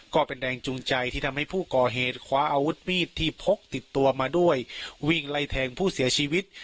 ก็เป็นแรงจูงใจที่ทำให้ผู้ก่อเหตุคว้าอาวุธมีดที่พกติดตัวมาด้วยวิ่งไล่แทงผู้เสียชีวิต